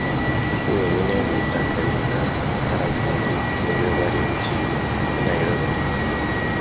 wenyine, bita Karinda Karaveri ni we wari ugiye i Nairobi